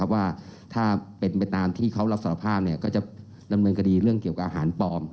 ว่าถ้าเป็นไปตามที่เขารับสารภาพก็จะดำเนินคดีเรื่องเกี่ยวกับอาหารปลอม